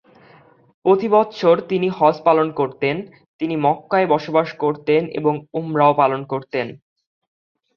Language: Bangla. প্রতি বৎসর তিনি হজ্জ পালন করতেন, তিনি মক্কায় বসবাস করতেন এবং উমরাও পালন করতেন।